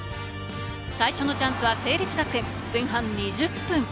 最初のチャンスは成立学園、前半２０分。